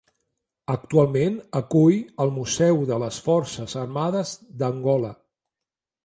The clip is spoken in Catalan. Actualment acull el Museu de les Forces Armades d'Angola.